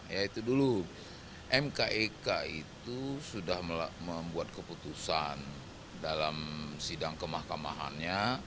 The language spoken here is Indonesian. yaitu dulu mkek itu sudah membuat keputusan dalam sidang kemahkamahannya